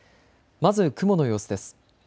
まず雲の様子です。